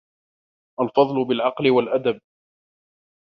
الْفَضْلُ بِالْعَقْلِ وَالْأَدَبِ